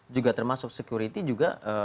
juga termasuk sekuriti juga